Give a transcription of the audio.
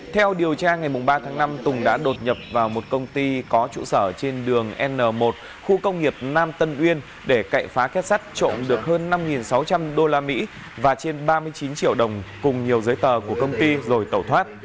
theo điều tra ngày ba tháng năm tùng đã đột nhập vào một công ty có trụ sở trên đường n một khu công nghiệp nam tân uyên để cậy phá kết sắt trộm được hơn năm sáu trăm linh usd và trên ba mươi chín triệu đồng cùng nhiều giấy tờ của công ty rồi tẩu thoát